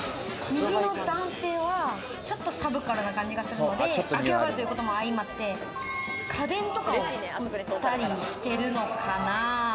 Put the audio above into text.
右の男性はちょっとサブカルな感じがするので、秋葉原ということも相まって、家電とかを売ったりしてるのかな？